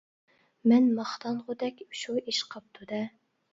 مەن ماختانغۇدەك شۇ ئىش قاپتۇ دە!